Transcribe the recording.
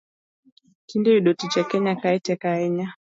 Tinde yudo tich e kenya kae tek ahinya